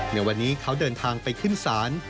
ในวันนี้เขาเดินทางไปขึ้นศาล